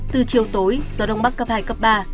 từ chiều tối gió đông bắc cấp hai cấp ba